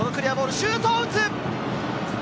シュートを打つ。